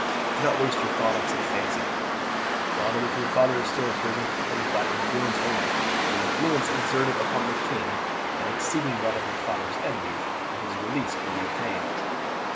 Do not waste your thought on such fancies, Ronald. If your father is still in prison it is by influence only, and influence exerted upon the king and exceeding that of your father's enemies, that his release can be obtained.